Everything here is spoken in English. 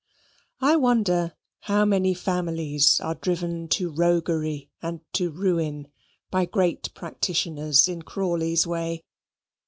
I wonder how many families are driven to roguery and to ruin by great practitioners in Crawley's way?